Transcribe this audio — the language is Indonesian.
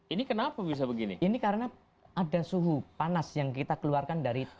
ini kenapa bisa begini ini karena ada suhu panas yang kita keluarkan dari